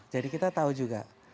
jadi kita tahu juga